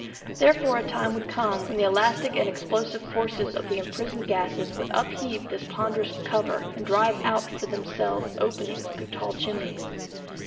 Therefore a time would come when the elastic and explosive forces of the imprisoned gases would upheave this ponderous cover and drive out for themselves openings through tall chimneys.